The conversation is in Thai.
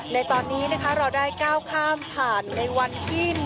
ในตอนนี้นะคะเราได้ก้าวข้ามผ่านในวันที่๑